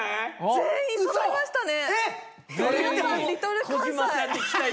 全員そろいましたね！